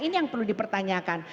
ini yang perlu dipertanyakan